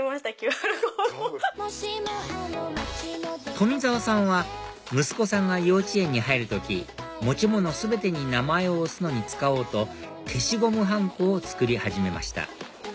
富澤さんは息子さんが幼稚園に入る時持ち物全てに名前を押すのに使おうと消しゴムはんこを作り始めました